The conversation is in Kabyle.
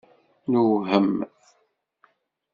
Newhem.